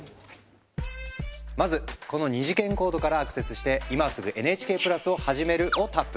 まずこの二次元コードからアクセスして「今すぐＮＨＫプラスをはじめる」をタップ。